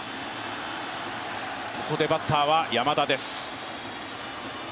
ここでバッターは山田です。